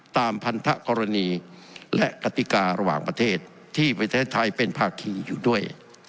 ตามพันธกรณีและกติการะหว่างประเทศที่ประเทศไทยเป็นภาคีอยู่ด้วย